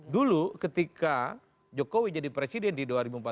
dulu ketika jokowi jadi presiden di dua ribu empat belas